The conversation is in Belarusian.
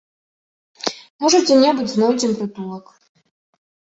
Можа дзе-небудзь знойдзем прытулак.